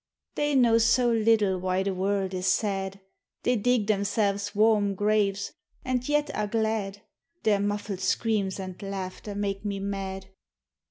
They know so little why the world is sad, They dig themselves warm graves and yet are glad ; Their muffled screams and laughter make me mad!